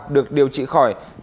được điều trị khỏi bệnh nhân lao